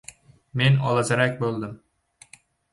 Men olazarak bo‘ldim.